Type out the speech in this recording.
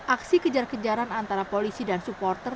aksi kejar kejaran antara polisi dan supporter